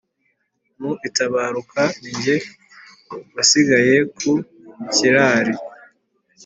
mu itabaruka ni jye wasigaye ku kirari